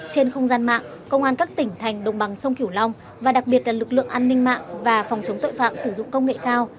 trên không gian mạng công an các tỉnh thành đồng bằng sông kiểu long và đặc biệt là lực lượng an ninh mạng và phòng chống tội phạm sử dụng công nghệ cao